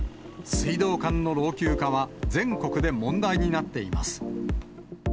水道管の老朽化は、全国で問題になっています。